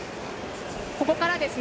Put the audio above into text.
ここからですね。